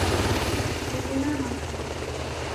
Koko na mafungu?